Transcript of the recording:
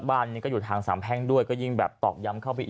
บ้านนี้ก็อยู่ทางสามแพ่งด้วยก็ยิ่งแบบตอกย้ำเข้าไปอีก